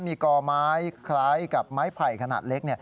มีกอไม้คล้ายกับไม้ไผ่ขนาดเล็ก